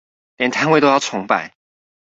連攤位都要重擺